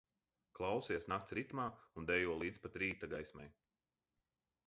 Klausies nakts ritmā un dejo līdz pat rīta gaismai!